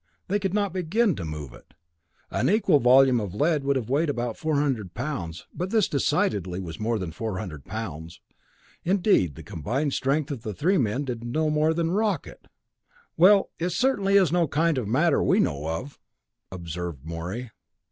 They could not begin to move it. An equal volume of lead would have weighed about four hundred pounds, but this was decidedly more than four hundred pounds. Indeed, the combined strength of the three men did not do more than rock it. "Well it certainly is no kind of matter we know of!" observed Morey.